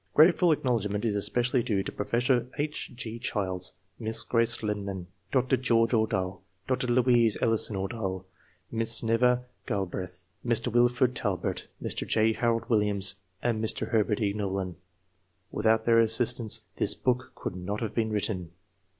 Grateful acknowledgment is especially due to Professor H. G. Childs, Miss Grace Lyman, Dr. George Ordahl, Dr. Louise Ellison Ordahl, Miss Nova Galbreath, Mr. Wilford Talbert, Mr. J. Harold Williams, and Mr. Herbert E. Knollin. Without their assistance this book could not have been written.